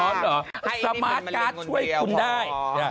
ให้อีกนิดหนึ่งมาเล่นกว่าเดียวพอสมาร์ทการ์ดช่วยคุณได้